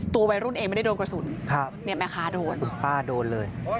ตัววัยรุ่นเองไม่ได้โดนกระสุนครับเนี่ยไหมคะโดนคุณป้าโดนเลย